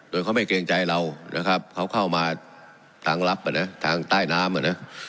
โดยเขาไม่เกรงใจเรานะครับเขาเข้ามาทางลับอ่ะนะทางใต้น้ำอ่ะนะ